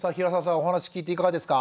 お話聞いていかがですか？